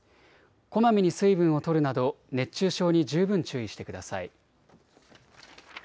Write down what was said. こまめに水分をとるなど熱中症に十分注意してください。